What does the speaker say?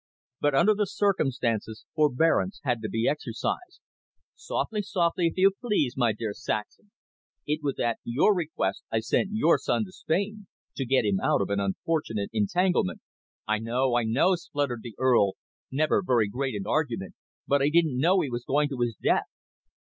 But under the circumstances forbearance had to be exercised. "Softly, softly, if you please, my dear Saxham. It was at your request I sent your son to Spain, to get him out of an unfortunate entanglement." "I know, I know," spluttered the Earl, never very great in argument, "but I didn't know he was going to his death."